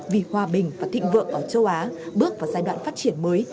vì hòa bình và thịnh vượng ở châu á bước vào giai đoạn phát triển mới